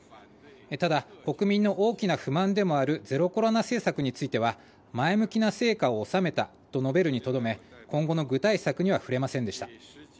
ただ、国民の大きな不満でもあるゼロコロナ政策については前向きな成果を収めたと述べるにとどめ今後の具体策には触れませんでした。